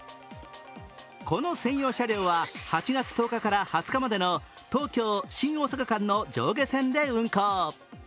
この専用車両は８月１０日から２０日までの東京−新大阪間の上下線で運行。